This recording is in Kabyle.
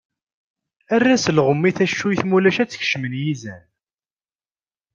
Err-as lɣem i tecuyt mulac ad t-kecmen yizan.